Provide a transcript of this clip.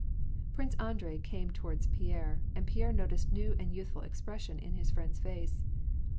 Prince Andrei came toward Pierre, and Pierre noticed a new and youthful expression in his friend's face.